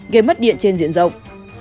gây mất điện trên diện rộng